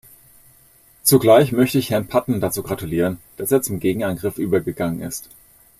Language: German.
Zugleich möchte ich Herrn Patten dazu gratulieren, dass er zum Gegenangriff übergegangen ist.